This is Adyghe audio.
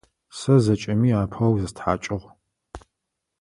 Сэ зэкӏэми апэу зыстхьакӏыгъ.